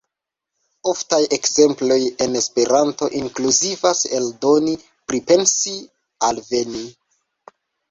Oftaj ekzemploj en Esperanto inkluzivas "eldoni", "pripensi", "alveni".